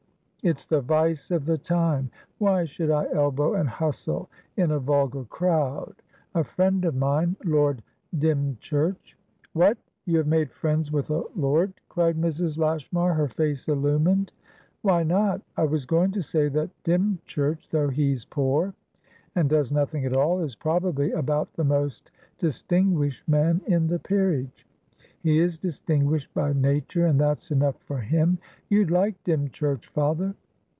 It's the vice of the time. Why should I elbow and hustle in a vulgar crowd? A friend of mine, Lord Dymchurch" "What! You have made friends with a lord?" cried Mrs. Lashmar, her face illumined. "Why not?I was going to say that Dymchurch, though he's poor, and does nothing at all, is probably about the most distinguished man in the peerage. He is distinguished by nature, and that's enough for him. You'd like Dymchurch, father."